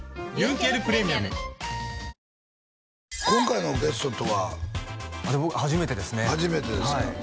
今回のゲストとは僕初めてですね